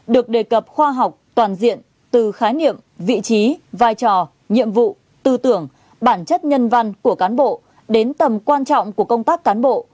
được đề cập khoa học toàn diện từ khái niệm vị trí vai trò nhiệm vụ tư tưởng bản chất nhân văn của cán bộ đến tầm quan trọng của công tác cán bộ